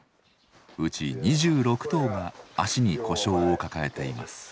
うち２６頭が脚に故障を抱えています。